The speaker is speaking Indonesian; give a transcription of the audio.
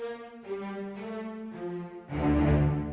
aku cuma pengen tahu aja